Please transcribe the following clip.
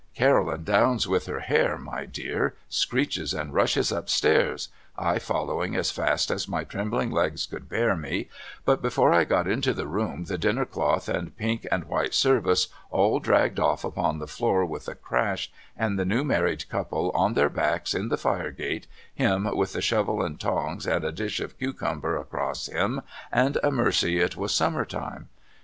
' Caroline downs with her hair my dear, screeches and rushes up stairs, I following as fast as my trembling legs could bear me, but before I got into the room the dinner cloth and pink and white service all dragged off upon the floor with a crash and the new married couple on their backs in the firegrate, him with the shovel and tongs and a dish of cucumber across him and a mercy it was summer time.